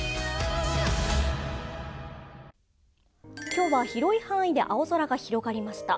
今日は広い範囲で青空が広がりました。